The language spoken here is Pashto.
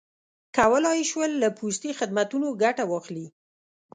کولای یې شول له پوستي خدمتونو ګټه واخلي.